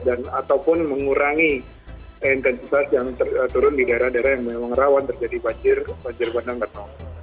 dan ataupun mengurangi intensitas yang turun di daerah daerah yang memang rawan terjadi panjir panjir bandang dan laut